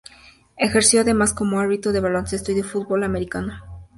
Ejerció además como árbitro de baloncesto y de fútbol americano.